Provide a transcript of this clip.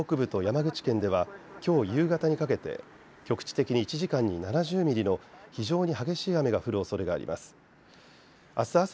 特に九州北部と山口県ではきょう夕方にかけて局地的に１時間に７０ミリの非常に激しい雨が降るおそれがあります。